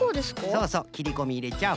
そうそうきりこみいれちゃう。